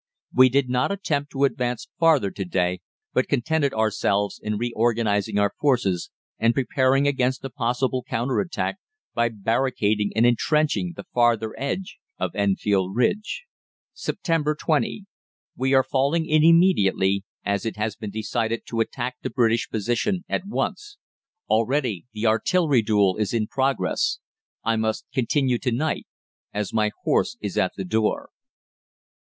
"We did not attempt to advance farther to day, but contented ourselves in reorganising our forces and preparing against a possible counter attack, by barricading and entrenching the farther edge of Enfield Ridge." "Sept. 20. We are falling in immediately, as it has been decided to attack the British position at once. Already the artillery duel is in progress. I must continue to night, as my horse is at the door."